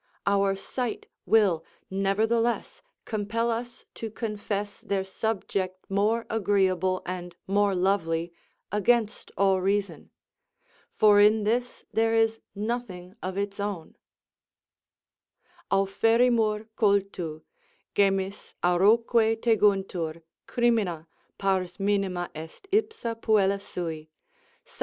Our sight will, nevertheless, compel us to confess their subject more agreeable and more lovely against all reason; for in this there is nothing of its own: Auferinrar cultu; gemmis, auroque teguntur Crimina; pars minima est ipsa puella sni.